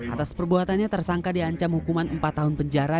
atas perbuatannya tersangka diancam hukuman empat tahun penjara